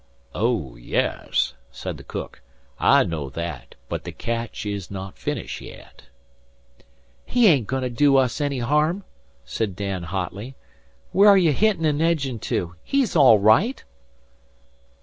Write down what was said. "Oh! yess," said the cook. "I know that, but the catch iss not finish yet." "He ain't goin' to do us any harm," said Dan, hotly. "Where are ye hintin' an' edgin' to? He's all right."